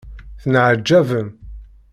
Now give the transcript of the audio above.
Tenεaǧabem.